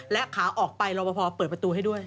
และขาออกไปรอปภเปิดประตูให้ด้วย